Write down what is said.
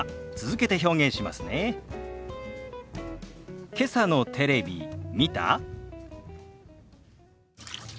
「けさのテレビ見た？」。